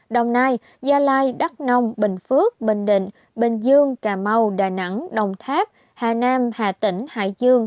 đồng nai gia lai đắk nông bình phước bình định bình dương cà mau đà nẵng đồng tháp hà nam hà tỉnh hải dương